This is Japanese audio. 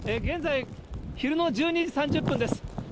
現在、昼の１２時３０分です。